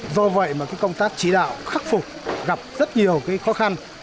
do vậy mà công tác chỉ đạo khắc phục gặp rất nhiều khó khăn